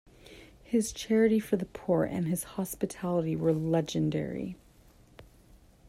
His charity for the poor and his hospitality were legendary.